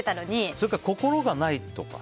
それか、心がないとか。